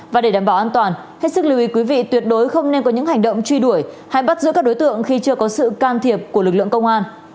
và để đảm bảo an toàn hết sức lưu ý quý vị tuyệt đối không nên có những hành động truy đuổi hay bắt giữ các đối tượng khi chưa có sự can thiệp của lực lượng công an